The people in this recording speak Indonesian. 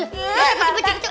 cukup cukup cukup